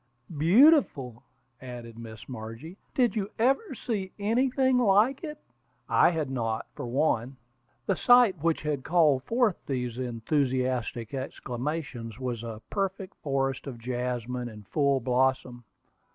"Beautiful!" added Miss Margie. "Did you ever see anything like it?" I had not, for one. The sight which had called forth these enthusiastic exclamations was a perfect forest of jasmine in full blossom.